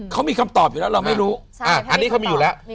เขามีคำตอบอยู่แล้วเราไม่รู้อันนี้เขามีอยู่แล้ว